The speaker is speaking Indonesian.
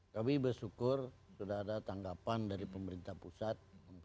kami bersyukur sudah ada tanggapan dari pemerintah pusat